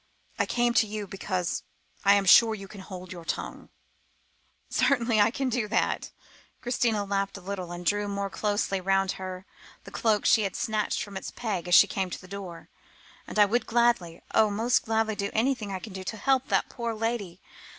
I came to you, because I am sure you can hold your tongue." "Certainly I can do that"; Christina laughed a little, and drew more closely round her the cloak she had snatched from its peg as she came to the door, "and I would gladly oh, most gladly, do anything I could to help that poor lady.